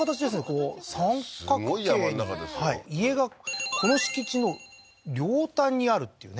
こう三角形に家がこの敷地の両端にあるっていうね